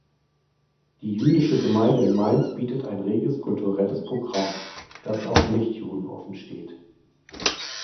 Die jüdische Gemeinde in Mainz bietet ein reges kulturelles Programm, das auch Nichtjuden offensteht.